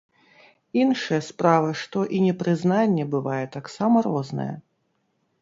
Іншая справа што і непрызнанне бывае таксама рознае.